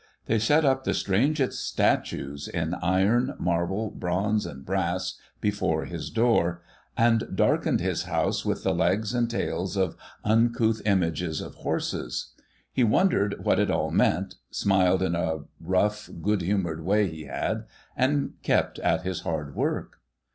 They set up the strangest statues, in iron, marble, bronze, and brass, before his door ; and darkened his house with the legs and tails of uncouth images of horses. He wondered what it all meant, smiled in a rough good humoured way he had, and kept at his hard work.